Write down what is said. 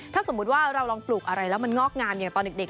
ถ้าสมมุติว่าเราลองปลูกอะไรแล้วมันงอกงามอย่างตอนเด็ก